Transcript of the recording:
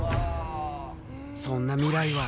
そんな未来は。